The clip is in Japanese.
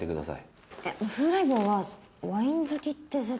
えっ風来坊はワイン好きって設定じゃ。